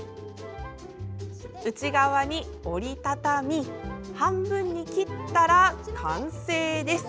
内側に折り畳み半分に切ったら完成です。